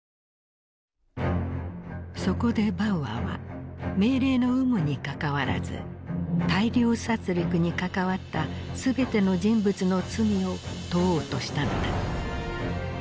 そこでバウアーは命令の有無にかかわらず大量殺りくに関わった全ての人物の罪を問おうとしたのだ。